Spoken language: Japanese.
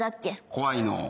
怖いの？